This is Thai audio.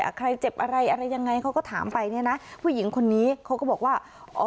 ใครเจ็บอะไรอะไรยังไงเขาก็ถามไปเนี่ยนะผู้หญิงคนนี้เขาก็บอกว่า